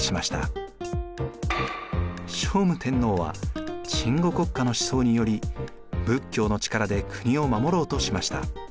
聖武天皇は鎮護国家の思想により仏教の力で国を守ろうとしました。